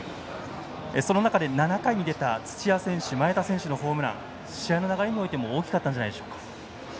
その中で７回に出た土屋選手、前田選手のホームラン試合の流れにおいても大きかったんじゃないでしょうか。